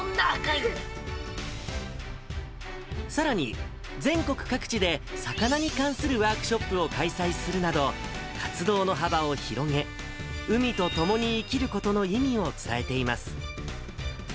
さらに、全国各地で魚に関するワークショップを開催するなど、活動の幅を広げ、海と共に生きることの意味を伝えています。